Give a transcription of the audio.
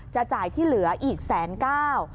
จ่ายที่เหลืออีกแสนเก้า